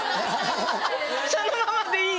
そのままでいい。